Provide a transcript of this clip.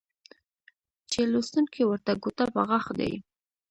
چې لوستونکى ورته ګوته په غاښ دى